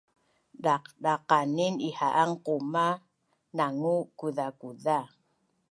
Daqdaqanin iha’an qumah nangu kuzakuza